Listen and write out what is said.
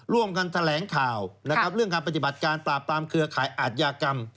ร่วมกันแถลงข่าวนะครับเรื่องการปฏิบัติการปราบปรามเครือข่ายอาทยากรรม